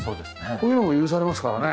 こういうのも許されますからね。